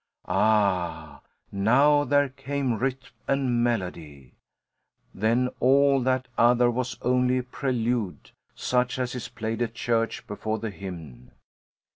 Ah, now there came rhythm and melody! Then all that other was only a prelude, such as is played at church before the hymn.